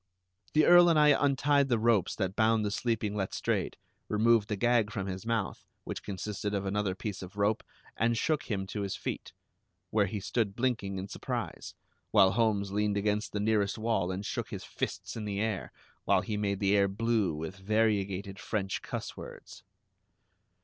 The Earl and I untied the ropes that bound the sleeping Letstrayed, removed the gag from his mouth, which consisted of another piece of rope, and shook him to his feet, where he stood blinking in surprise, while Holmes leaned against the nearest wall and shook his fists in the air, while he made the air blue with variegated French cuss words.